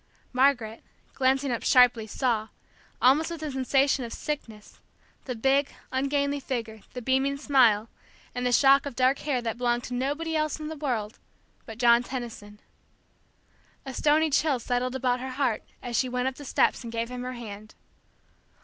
Margaret, glancing up sharply, saw, almost with a sensation of sickness, the big, ungainly figure, the beaming smile, and the shock of dark hair that belonged to nobody else in the world but John Tenison, A stony chill settled about her heart as she went up the steps and gave him her hand.